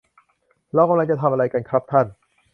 เรากำลังจะทำอะไรกันครับท่าน